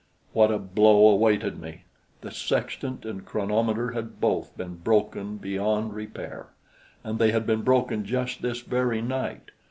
What a blow awaited me! The sextant and chronometer had both been broken beyond repair, and they had been broken just this very night.